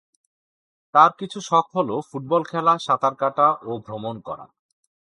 তার কিছু শখ হল ফুটবল খেলা, সাঁতার কাটা এবং ভ্রমণ করা।